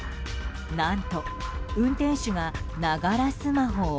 何と、運転手がながらスマホを。